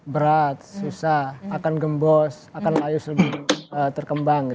berat susah akan gembos akan layu terkembang